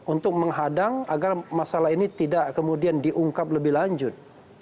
untuk menghadang agar masalah ini tidak kemudian diungkap lebih lanjut